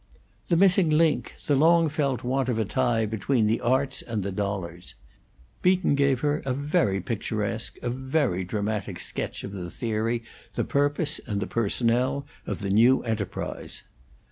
"The missing link; the long felt want of a tie between the Arts and the Dollars." Beaton gave her a very picturesque, a very dramatic sketch of the theory, the purpose, and the personnel of the new enterprise.